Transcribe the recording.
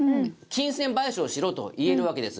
金銭賠償しろと言えるわけです。